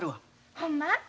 ほんま？